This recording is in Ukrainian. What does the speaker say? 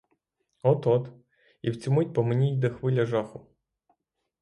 От-от, і в цю мить по мені йде хвиля жаху.